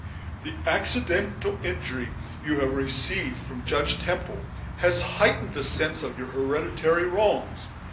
The accidental injury you have received from Judge Temple has heightened the sense of your hereditary wrongs.